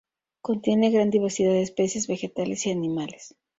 Contiene gran diversidad de especies vegetales y animales.